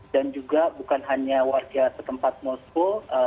dan juga bukan hanya warga setempat moskow